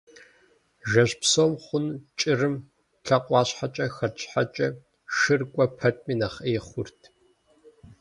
Жэщ псом хъун кӏырым лъакъуащхьэкӏэ хэт щхьэкӏэ, шыр кӏуэ пэтми нэхъ ӏей хъурт.